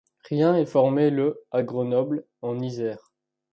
Rien est formé le à Grenoble, en Isère.